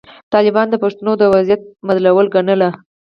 طالبان د پښتنو د وضعیت مدلول ګڼلي.